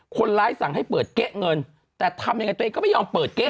สั่งให้เปิดเก๊ะเงินแต่ทำยังไงตัวเองก็ไม่ยอมเปิดเก๊